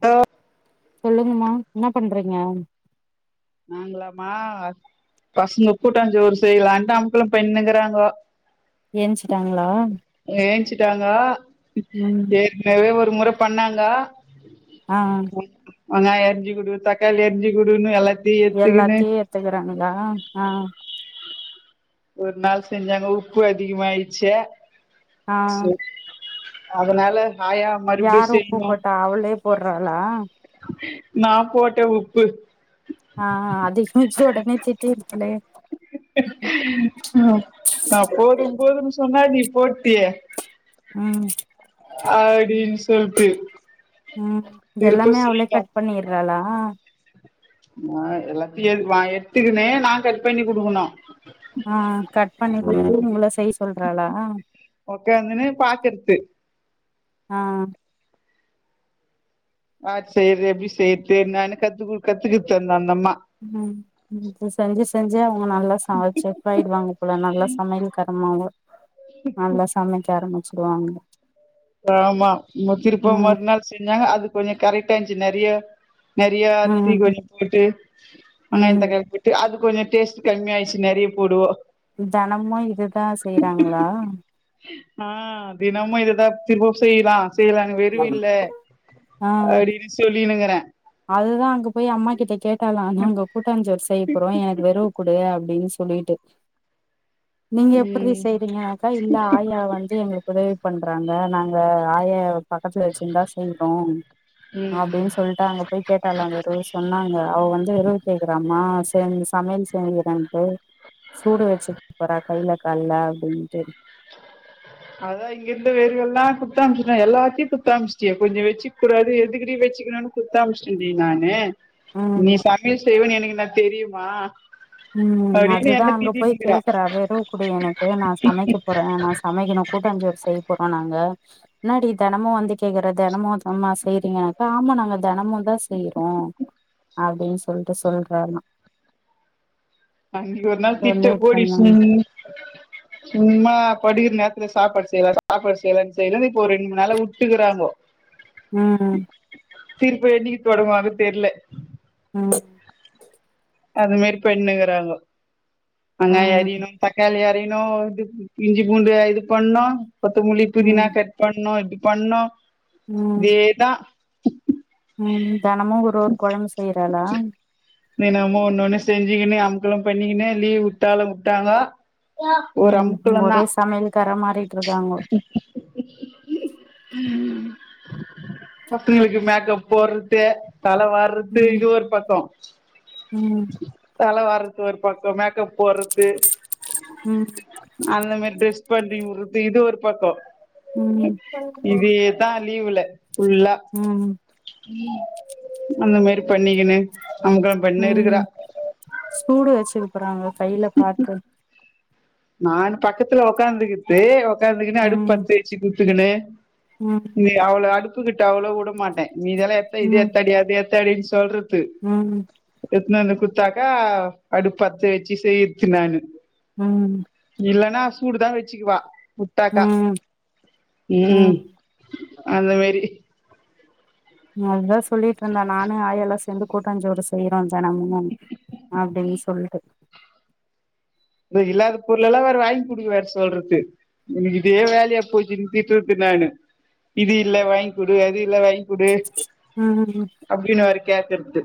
அ சொல்லுங்மா என்னா பண்றீங்க நாங்களாமா பசங்க கூட்டா ஜோறு செய்லானு [unintelligible] ஏச்சுட்டாங்களா ஏச்சுட்டாங்கா ம் ஏற்கனவே ஒரு மொற பண்ணாங்க ஆ வெங்காய அறிச்சு குடு தக்காளி அறிச்சு குடுனு எல்லா எல்லாத்தியு ஏத்துக்கிறான்களா ஆ ஒரு நாள் செஞ்சாங்க உப்பு அதிகமாயிட்ச்சே ஆ சு அதனால ஆயா மறுபடியு யாரோ உப்பு செய்யணு போட்டா அவளே போட்றாளா நா போட்டே உப்பு ஆ அது ஃபியூச்சரோட நேச்சர் [unintelligible] ஆ நா போது போதுன் சொன்னா நீ போட்டியே ம் அப்டின் சொல்ட்டு இருக்க [unintelligible] பண்ணிர்றாளா ஆ எல்லாத்தியு எடு வா எடுத்துக்கினு நா கட் பண்ணி குடுக்குனு ஆ கட் பண்ணி குடுத்து ஒங்கள செய்ய சொல்றாளா ஒக்காந்துனு பாக்றது ஆ அ சேரி அப்டி சேரி சேரி நானு கத்து குடு கத்துக்கிச்சி அந் தந்தம்மா ம் ம் இப்டி செஞ்சி செஞ்சி அவங்க நல்லா சமச்சி பொயிடுவாங்க போல நல்லா சமையல்காரனாவே [inaudible] நல்லா சமைக்க ஆரம்பிச்சிருவாங்க ஆமா ம திருப்பவு ம் மறுநாள் செஞ்சாங்க அது கொஞ்ச கரெக்டாந்ச்சு நறைய நறைய அரிசி ம் கொஞ்ச போட்டு வெங்காய ம் தக்காளி போட் டு அது கொஞ்ச டேஸ்ட் கம்மி ஆய்ச்சு நறைய போடுவோ தெனமு இதுதா செய்றாங்களா ஆ தினமு இததுதா திரும்பவு செய்லா செய்லா வெறுவில்ல ஆ அப்டின்னு சொல்லினுக்குறே அதுதா அங்க போய் அம்மா கிட்ட கேட்டாலா நாங்க கூட்டாஞ்சோர் செய்ய போறோ எனக்கு வெறகு குடு அப்டின்னு சொல்லிட்டு நீங்க எப்பிட்ரி ம் செய்றீங்க அக்கா இல்ல ஆயா வந்து எங்ளுக்கு உதவி பண்றாங்க நாங்க ஆயா பக்கத்துல வெச்சிருந்தா செய்றோ ம் அப்டின்னு சொல்ட்டு அங்க போய் கேட்டாலா வெருவு சொன்னாங்க அவ வந்து வெருவு கேக்றாம செஞ் சமையல் செஞ்சுறன்ட்டு சூடு வெச்சுக்க போறா கைல கால்ல அப்டின்ட்டு அதா இங்க இருந்த வெறுவெல்லா குட்த்தமிச்ட்டே எல்லாத்யு குட்த்தமிச்ட்டியே கொஞ்சோ வெச்சுக் கூடாது எதுக்குடி வெச்சுக்ணுனு குட்த்தமிச்ட்டேடி நானு ம் நீ சமையல் செய்வனு எனக்கு என்ன தெரியுமா ம் அப்டின்னு அதுதா என்ன அங்க போய் திட்டினுக்கிறா கேக்குறா வெறவு குடு எனக்கு நா சமைக்க போறோ நா சமைக்கணு கூட்டாஞ்சோர் செய்ய போறோ நாங்க என்னாடி தெனமு வந்து கேக்குற தெனமும்மா செய்றீங்கன்னாக்கா ஆமா நாங்க தெனமுதா செய்றோ அப்டின்னு சொல்ட்டு சொல்றாலா அன்னைக்கு ஒரு நாள் திட்டு போடி சொல்லிட்ருந்தாங்க சும் சும்மா படிக்குற நேரத்துல சாப்பாடு செய்லா சாப்பாடு செய்லா செய்லா இப்போ ஒரு ரெண்டு மூண் நாள உட்டுகுறாங்கோ ம் திருப்ப என்னைக்கு தொடங்குவாங்க தெர்ல ம் அது மேரி பண்ணிணுக்குறாங்கோ வெங்காயோ ம் அரியனு தக்காளி அறியணு இது இஞ்சி பூண்டு இது பண்ணு கொத்தமல்லி புதினா ம் கட் பண்ணு இது பண்ணு ம் இதேதா ம் தெனமு ஒரு ஒரு கொழம்பு செய்றாளா தெனமு ஒன்னொண்ணு செஞ்சுக்குனு அம்க்களோ பண்ணிக்குனு லீவ் வுட்டாலு வுட்டாங்கோ ம் ஒரே சமையல் கார மாறிட்டு இருக்காங்கோ பசங்ளுக்கு மேக்கப் போட்றது தல வார்றது ம் இது ஒரு பக்கோ ம் தல வார்றது ஒரு பக்கோ மேக்கப் போட்றது ம் அந்த மேரி ட்ரெஸ் பண்ணி உட்றது இது ஒரு பக்கோ ம் எப்பொழுதுமா இதா லீவுல ஃபுல்லா ம் அந்த மேரி பண்ணிக்குனு அம்க்கலோ பண்ணு இருக்குறா ம் சூடு வச்சுக்க போறாங்க கையில பாத்து நானு பக்கத்துல உக்காந்துக்குற்து உக்காந்துக்குன்னு அடுப்பு ம் பத்த வச்சு குடுத்துக்குன்னு ம் நீ அவள அடுப்புகிட்டே அவ்ளோ வுடமாட்டே நீ இதெல்லா எத்தா இது எத்தாடி அத எத்தாடின்னு சொல்ற து ஆமா எத்துனு வந்து குடுத்தாக்க அடுப்பு பத்த வெச்சி செய்ர்த்து நானு ம் இல்லன்னா சூடுதா வெச்சுக்குவா உட்டாக்க ம் ம் அந்த மேரி அதுதா சொல்லிட்ருந்தே நானு ஆயெல்லா சேந்து கூட்டாஞ்சோறு செ செய்யறோ தெனமு அப்டின் சொல்லிட்டு இது இல்லாத பொருள்ளல்லா வேற வாங்கிகுடுக்க வேர சொல்றது உனுக்கு இதே வேலையா போச்சுன்னு திட்றது நானு இது இல்ல வாய்ங்குடு அது இல்லே வாய்ங்குடு அ அ அப்டின் வேற கேக்கற்து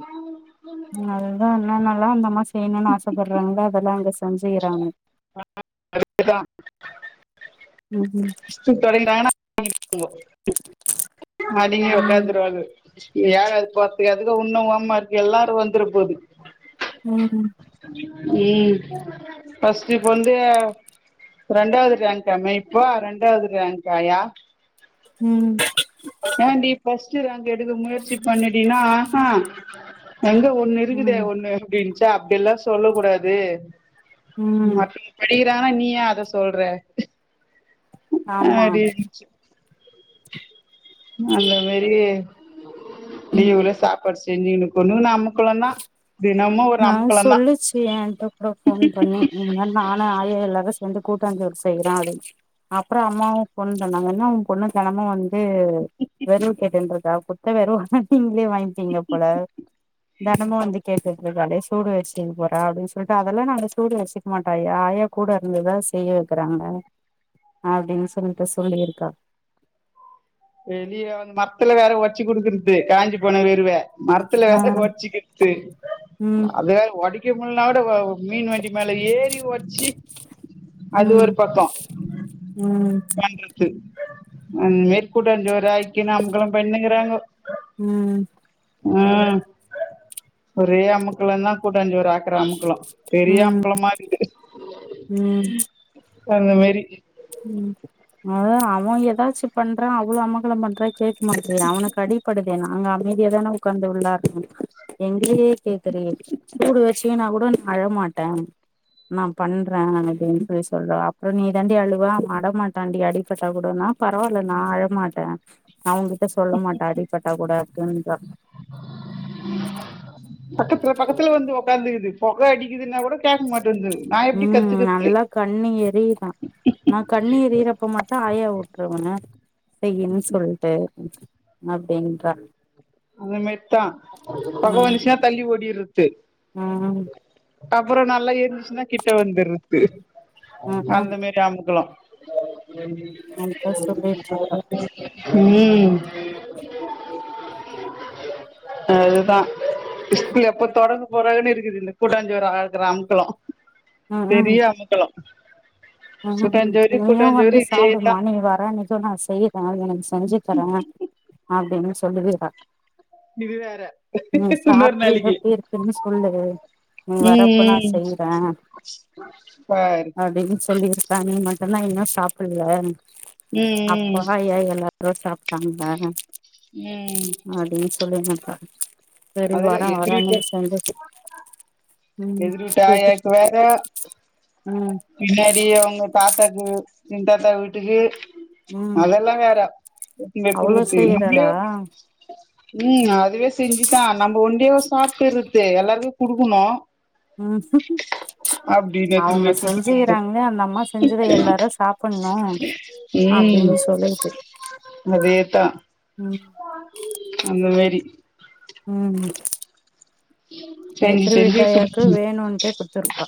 நல்லா என்னான்னால்லா அந்த அம்மா செய்ணுனு ஆசைப்பட்றாங்ளோ அதெல்லா அங்க செஞ்சிக்கிறாங்க [unintelligible] ம் ம் ஸ்கூல் தொடங்கிட்டாங்கன்னா [inaudible] அடங்கி ம் வெக்காந்துருவானு ஏழாது போற்துக் அதுக்கு உன்னு ஓமார்க்கு எல்லாரு வந்துர போது ம் ம் ம் ஃபஸ்ட்டு இப்ப வந்து ரெண்டாவது ரேங்காமே வொ ரெண்டாவது ரேங்க்காயா ம் ஏண்டி ஃபஸ்ட்டு ரேங்க் எடுக்க முயற்சி பண்ணுடின்னா அ ஹா எங்க ஒண்ணு இருக்குதே ம் ஒண்ணு அப்டின்ச்சா அப்டி எல்லா சொல்ல கூடாது ம் படிக்கிறாங்கனா நீ ஏ அத சொல்ற ஆமா அப்டின்ச்சு அந்த மாரி ம் லீவு்ல சாப்பாடு செஞ்சிகினு கொண்ணுகுன்னு அமக் குளோந் தா தினமு ஒரு அம்குளோந் தா [unintelligible] ஏகிட்ட கூட போன் பண்ணி இந்மாரி நானு ஆயா எல்லாரு சேந்து கூட்டாஞ்சோரு செய்யறோ அப்டின் அப்புறோ அம்மாவு போன் பண்ணாங்க ன்னா உ பொண்ணு தெனமு வந்து வெறவு கேட்டுன்ருக்கா குத்த வெறவல்லா நீங்ளே வாங்பீங்க போல தெனமு வந்து கேக்கு சொல்றாளே சூடு வெச்சுகின் போற அப்டின் சொல்லிட்டு அதெல்லா நாங்க சூடு வெச்சுக்க மாட்டோ யா ஆயா கூட இருந்ததுதா செய்ய இருக்கறாங்கள அப்டின் சொல்லிட்டு சொல்லியிருக்கா வெளியோ வந்து மரத்துல வேற ஒச்சு குடுக்குறது காஞ்சி போன வெறுவ மரத்துல ஆ வேற வொட்சிக்குத்து ம் அது வேற ஒடைக்க முல்லானா கூட மீன் வண்டி மேல ஏறி ஓச்சி அது ஒரு ம் பக்கோ ம் [inaudible] து அந்மேரி கூட்டாஞ்சோறு ஆக்கினு அம்களோ பண்ணேகிறாங்கோ ம் ம் ஒரே அம்முக்கலந் தா கூட்டாஞ்சோறு ஆக்கற அமக்களு பெரிய ம் அம்க்ளமாருக்கு ம் அந்த மாரி ம் அதா அவ ஏதாச்சு பண்றா அவ்ளோ அமக்கல பண்றா கேக்க மாட்றியா அவனுக் அடி படுதே அங்க அமைதியா தானே உக்காந்து வுள்ளாரனு எங்களயே கேக்கறியே சூடு வெச்சுக்கினா கூட நா அழமாட்டே நா பண்றே நானு [unintelligible] சொல்றே அப்புறோ நீ தாண்டி அழு [unintelligible] அடமாட்டான்டி அடிப்பட்டா கூடனா பரவால்ல நா அழமாட்ட அவங்கிட்ட சொல்ல மாட்டா அடிபட்டா கூட அப்பட பக்கத்துல பக்கத்துல வந்து உக்காந்துக்குது பொக அடிக்குதுன்னா கூட கேட்க மாட்டன்து நா எப்டி கத்துக்கிருது கண்ணி எரியுதா ஆனா கண்ணு எரியறப்ப மட்டும் ஆயா உட்ருவனே செய்யும்னு சொல்லிட்டு அப்படின்றா அந்தமேர் தா பொக ம் வந்ச்சின்னா தள்ளி ஓடிருது ம் அப்பறோ நல்லா இருந்துச்சுன்னா கிட்ட வந்துர்ருது ம் ம் அந்த மாரி அமுக்கலம் அதா சொல்லிட்ருக்கா ம் அதுதா ஸ்கூல் எப்ப தொறக்க போறாங்கன்னு இருக்குது இந்த கூட்டாஞ்சோர் ஆக்கற அமக்கலும் ம் பெரிய அமக்கலோ ம் ம் கூட்டாஞ்சோறு நீயும் கூட்டாஞ்சோறு வந்து இதேதா சாப்பிடுமா நீ வரான்க்கு நா செய்றே உனக்கு செஞ்சு தரே அப்டின்னு சொல்லுதுக இது வேற நீ இன்னொரு சாப்ட்டு நாளைக்கு எப்டி இருக்குன்னு சொல்லு நீ வரப்ப நா ம் ம் செய்றே பாரு அப்டின்னு சொல்லிருப்பான்னு மட்டுந்தா இன்னும் சாப்பில்ல அப்பா ம் ம் ஏ எல்லா ரோ சாப்ட்டாங்க ம் அப்டின்னு சொல்லி நட்டரு செரி அதுல வரெ எதிர்வீட்டு வரென்னு கொஞ்சது ம் எதிர்வீட்டு எது ஆயாக்கு வேற ம் பின்னாடி அவங்க தாத்தாக்கு சின் தாத்தா வீட்டுக்கு ம் அதெல்லாம் வேற எத்துன்போய் அவ்ளோ குடுக்குறது நம்லே செய்யறாளா ம் அதுவே செஞ்சுதா நம்ம ஒண்டியாவ சாப்பிட்டு இருது எல்லாருக்கு குடுக்கணும் ம் அவங்க நெத்து குத்திட்டு செஞ்சுக்கிறாங்க அந்த அம்மா செஞ்சத எல்லாரும் சாப்பிட்ணும் அப்டின்னு சொல்லிட்டு அதேத்தா ம் அந்த மாரி ம் செஞ்சு எதுரு வீட்டு செஞ்சு ஆயாக்கு குடுக்கணு வேணுன்ட்டே குடுத்துருப்பா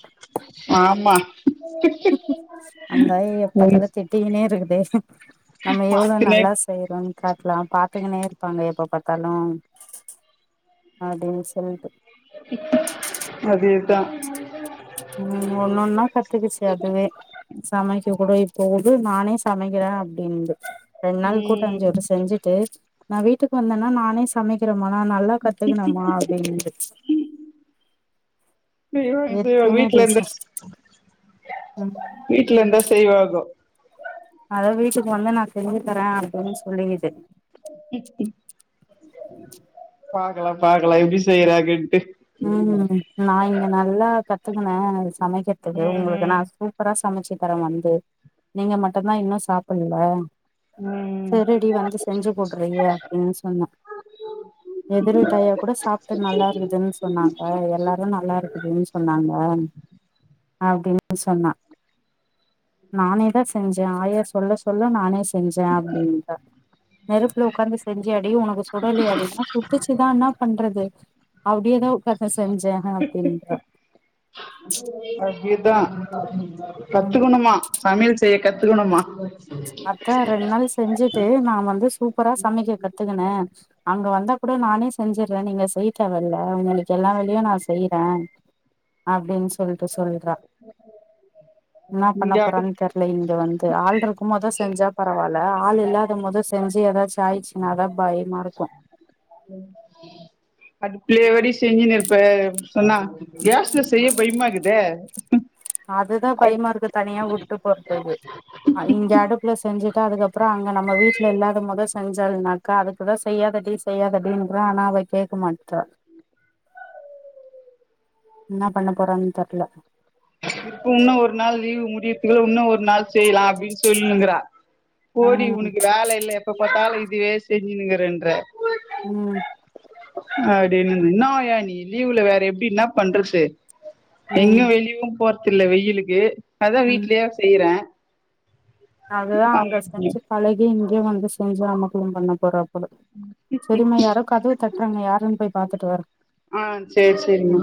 ஆமா திட்டிகுனே இருக்குது நம்ம எவ்ளவு பாத்துனே நல்லா போயிருன்னு காட்டலா பாத்துகனே இருப்பாங்க எப்ப பாத்தாலும் அடின்னு சொல்லிட்டு அதே தான் ம் ஒண்னொன்னா கத்துக்குச்சு அதுவே சமைக்க கூட இப்போ உடு நானே சமைக்கிறே அடின்து ரெண்டு நாள் ம் கூட்டாஞ்சோறு செஞ்சுட்டு நா வீட்டுக்கு வந்தன்னா நானே சமைக்கிறோமா நா நல்லா கத்துக்கணம்மா அப்டின்து செரி ஓகே செய்வா எத்தினி வீட்ல இருந்தா டீச்சர் ம் வீட்ல இருந்தா செய்வாங்கோ அதா வீட்டுக்கு வந்து நா செஞ்சு தரே அப்டின்னு சொல்லிக்குது ம் பாக்கலா பாக்கலா எப்டி செய்யறாங்கன்ட்டு ம் நா இங்க நல்லா கத்துக்கனே எனக்கு சமைக்கிறதுக்கு உங்களுக்கு நா ம் சூப் பரா சமச்சு தரே வந்து நீங்க மட்டுந்தா இன்னும் சாப்பில்ல ம் ம் செரிடி வந்து செஞ்சு கூட்றீங்க அப்டின் சொன்னா எதிர்வீட்டு ஆயா கூட சாப்ட்டு நல்லா இருந்துதுன் சொன்னாங்க எல்லாரு நல்லா இருக்குதுன் சொன்னாங்க அப்டின் சொன்னா நானே தா செஞ்சே ஆயா சொல்ல சொல்ல நானே செஞ்சே அப்டின்றா நெருப்புல உக்காந்து செஞ்சியாடி உனக்கு சுடலியாடின்னா சுட்டுச்சு தா என்னா பண்றது அப்டியேதா உக்காந்து செஞ்சே அப்டீன்றா அப்டி தா ம் கத்துக்கணுமா சமையல் செய்ய கத்துக்கணுமா அதா ரெண் நாள் செஞ்சுட்டு நா வந்து சூப்பரா சமைக்க கத்துகினே அங்க வந்தா கூட நானே செஞ்சட்றே நீங்க செய்ய தேவல்ல உங்களுக் எல்லா வேலையு நா செய்றே அப்டின் சொல்ட்டு சொல்றா என்னா பண்ண இங்க போறான் அடுப் தெர்ல இங்க வந்து ஆள்ருக் கும்மோதே செஞ்சா பரவால்ல ஆள் இல்லாதமோது செஞ்சு எதாச்சு ஆயிச்சுனா தா பயமா இருக்கு உம் அடுப்லேவாடி செஞ்சினுர்ப்ப சொன்னா கேஸ்ல செய்ய பய்மாக்குதே அதுதா பய்மா இருக்கு தனியா வுட்டு போறத்துகு இங்க அடுப்புல செஞ்சிட்டா அதுக்கப்றோ அங்க நம்ம வீட்ல இல்லாதமோது செஞ்சாள்னா க்கா அதுக்கு தா செய்யாதடி செய்யாதடின்ற ஆனா அவ கேக்க மாட்றா என்னா பண்ண போறான் தெர்ல இப்ப உன்னு ஒரு நாள் லீவு முடியத்துக்குள்ள உன்னு ஒரு நாள் செய்யலா அப்டின் சொல்ன்னுக்கறா போடி ம் உனக்கு வேல இல்ல எப்ப பாத்தாலு இதுவே செஞ்சினுக்கறன்ற ம் அப்டின்னு இன்னா ஆயா நீ லீவுல வேற எப்டி இன்னா பண்றது ம் எங்யு வெளியவு போற்த்தில்ல வெயிலுக்கு அதா ம் வீட்லியா செய்றே அதுதா அங்க செஞ்சு பழகி இங்கயு வந்து செஞ்சி அமக்களம் பண்ண போறா போல செரிமா யாரோ கதவு தட்றாங்க யாருன் போய் பாத்துட்டு வரே அ சேர் ம் சேரிமா